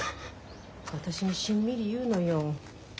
私にしんみり言うのよ